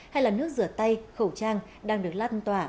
hay là nước rửa tay khẩu trang đang được lan tỏa